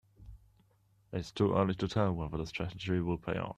It's too early to tell whether the strategy will pay off.